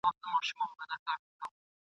له سهاره تر ماښامه ګرځېدل وه !.